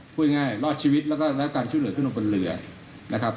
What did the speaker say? พูดง่ายรอดชีวิตแล้วก็รับการช่วยเหลือขึ้นลงบนเรือนะครับ